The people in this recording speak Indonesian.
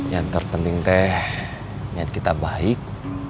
yang terpenting teh niat kita baik